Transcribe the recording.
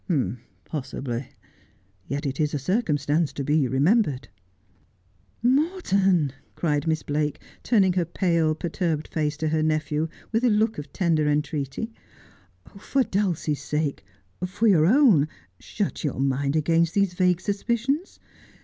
' Possibly. Yet it is a circumstance to be remembered.' ' Morton,' cried Miss Blake, turning her pale, perturbed face ' I Must be Behind the Age: 103 to her nephew with a look of tender entreaty, ' for Dulcie's sake, for your own, shut your mind against these vague suspicions.